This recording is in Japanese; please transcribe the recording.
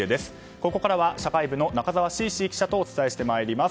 ここからは社会部の中澤しーしー記者とお伝えしてまいります。